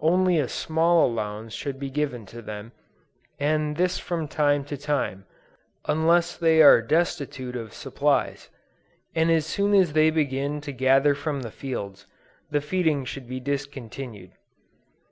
Only a small allowance should be given to them, and this from time to time, unless they are destitute of supplies; and as soon as they begin to gather from the fields, the feeding should be discontinued.